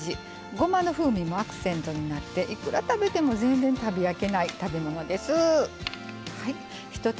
ごまの風味もアクセントになっていくら食べても全然食べ飽きない食べ物です。